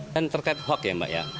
dan terkait hoax ya mbak ya